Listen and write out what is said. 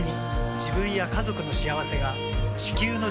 自分や家族の幸せが地球の幸せにつながっている。